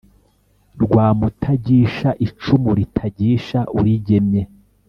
rwa mutagisha icumu litagisha uligemye,